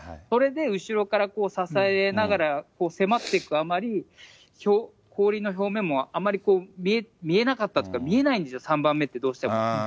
それで後ろからこう支えながら迫っていくあまり、氷の表面もあんまり見えなかったというか、見えないんですよ、３番目ってどうしても。